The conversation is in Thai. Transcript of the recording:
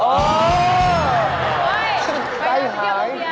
อ๋อใจหายโอ๊ยไปมาเที่ยวโรงเบียเลย